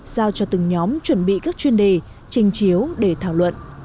giao cho từng nhóm chuẩn bị các chuyên đề trình chiếu để thảo luận